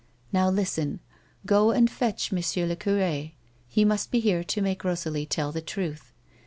Now listen ; go and fetch M. le cure ; he must be here to make Rosalie tell the truth.